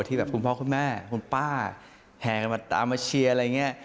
แบบคุณพ่อคุณแม่คุณป้าแห่กันมาตามมาเชียร์อะไรอย่างนี้